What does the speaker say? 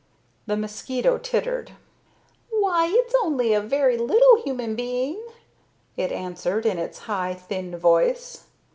The mosquito tittered. "Why, it's only a very little human being," it answered in its high, thin voice.